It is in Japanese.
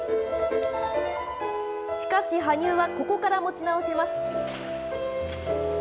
しかし、羽生はここから持ち直します。